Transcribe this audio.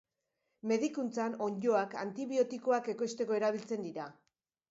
Medikuntzan onddoak antibiotikoak ekoizteko erabiltzen dira.